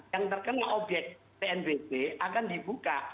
yang terkena objek pnbp akan dibuka